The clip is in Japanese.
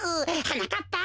はなかっぱ！